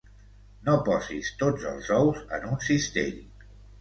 No posis tots els ous en un cistell.